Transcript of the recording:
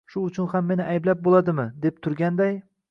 “shu uchun ham meni ayblab bo’ladimi?” deb turganday.